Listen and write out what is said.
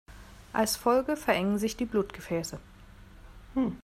Als Folge verengen sich die Blutgefäße.